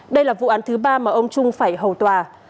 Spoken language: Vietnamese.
đây là vụ án thứ ba mà ông trung phải hầu tòa